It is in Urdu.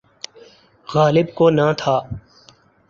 غالب کو نہ تھا۔